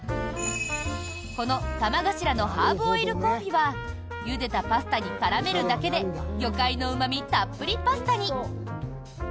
このタマガシラのハーブオイルコンフィはゆでたパスタに絡めるだけで魚介のうま味たっぷりパスタに！